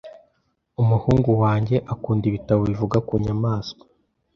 Umuhungu wanjye akunda ibitabo bivuga ku nyamaswa.